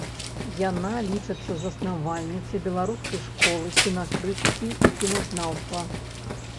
Яна лічыцца заснавальніцай беларускай школы кінакрытыкі і кіназнаўства.